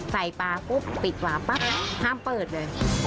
ปลาปุ๊บปิดฝาปั๊บห้ามเปิดเลย